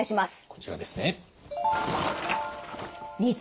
こちらですね。